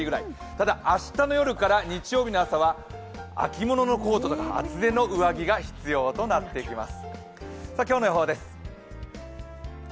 ただ明日の夜から日曜日の朝はコートや厚手の上着が必要となってきます。